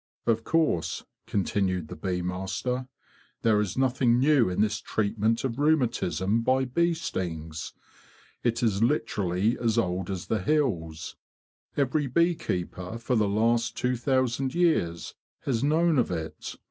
"Of course,'' continued the bee master, '' there is nothing new in this treatment of rheumatism by bee stings. It is literally as old as the hills. Every bee keeper for the last two thousand years has known of it.